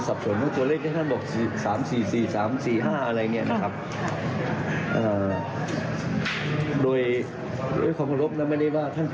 แต่ไม่ได้ว่าท่านผิดหรือถูกนะ